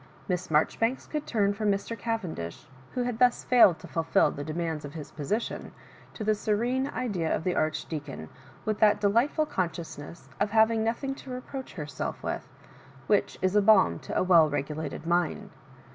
Miss Maijoribanks could turn from Mr. Cavendish, who had thus failed to fulfil the demands of his position, to the serene idea of the Archdeacon, with that delightful con sciousness of having nothing to reproach herself with, which is balm to a well regulated mind.